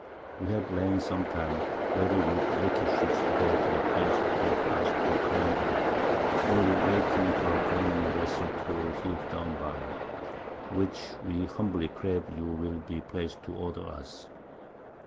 _ _We have lain some time ready with leaky Ships to go to the Place appointed us to careen at, only waiting for a careening Vessel to heave down by. Which we humbly crave you will be pleas'd to order us.